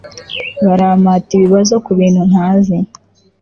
barampata ibibazo ku bintu ntazi